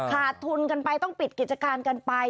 ขาดทุนกันไปต้องปิดกิจการกันไป